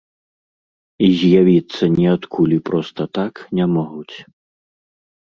І з'явіцца ніадкуль і проста так не могуць.